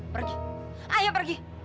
pergi ayo pergi